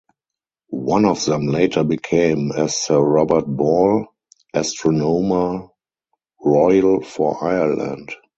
One of them later became, as Sir Robert Ball, Astronomer Royal for Ireland.